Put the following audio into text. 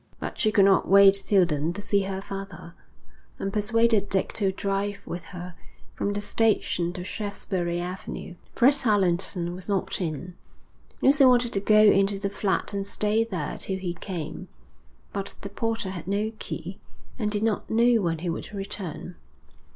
But she could not wait till then to see her father, and persuaded Dick to drive with her from the station to Shaftesbury Avenue. Fred Allerton was not in. Lucy wanted to go into the flat and stay there till he came, but the porter had no key and did not know when he would return.